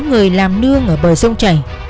người làm nương ở bờ sông chảy